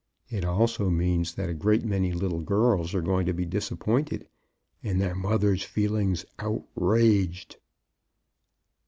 It also means that a great many little girls are going to be disappointed and their mothers' feelings outraged.